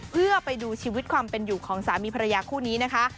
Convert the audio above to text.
เพื่อไปดูชีวิตความเป็นอยู่ของสามีภรรยาคู่นี้นะคะ